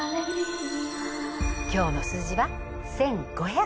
今日の数字は「１５００」です。